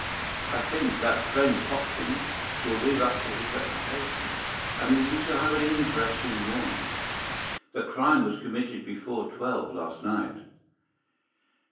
I think that friend Hopkins will live up to his reputation, and that we shall have an interesting morning. The crime was committed before twelve last night."